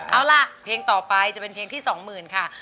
เอาล่ะเพลงต่อไปจะเป็นเพลงที่๒๐๐๐ค่ะ